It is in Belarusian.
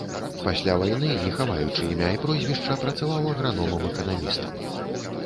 Пасля вайны, не хаваючы імя і прозвішча, працаваў аграномам-эканамістам.